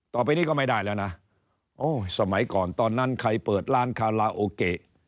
ต่อไปนี้ก็ไม่ได้แล้วนะโอ้สมัยก่อนตอนนั้นใครเปิดร้านคาราโอเกะ